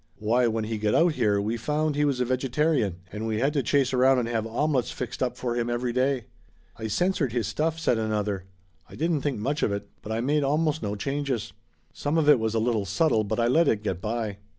Why, when he got out here we found he was a vegetarian, and we had to chase around and have omelettes fixed up for him every day." "I censored his stuff," said another. "I didn't think much of it, but I made almost no changes. Some of it was a little subtle, but I let it get by."